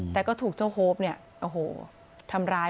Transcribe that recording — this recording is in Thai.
แต่ก็ถูกเจ้าโฮปทำร้าย